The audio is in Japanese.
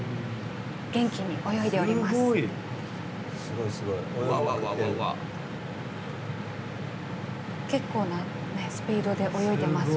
元気に泳いでいます。